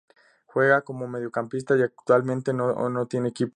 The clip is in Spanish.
Juega como mediocampista y actualmente no tiene equipo.